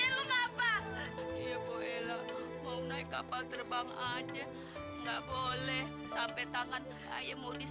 ngapain mau naik kapal terbang aja nggak boleh sampai tangan saya modis